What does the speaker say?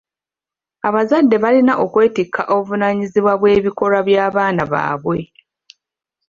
Abazadde balina okwetikka obuvunaanyizibwa bw'ebikolwa by'abaana baabwe.